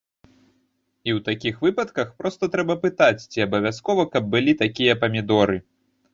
І ў такіх выпадках проста трэба пытаць, ці абавязкова, каб былі такія памідоры.